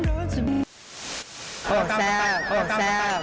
โอ้โหแซ่บโอ้โหแซ่บ